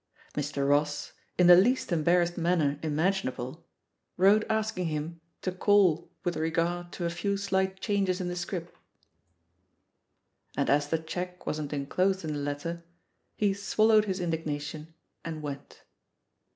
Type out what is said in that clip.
Mr. Ross, in the least embarrassed manner im aginable, wrote asking him to caU "with regard to a few slight changes in the scrip.'* 180 THE POSITION OF PEGGY HARPER And as tHe cheque wasn't enclosed in fhe letter^ he swaUowed his indignation and went.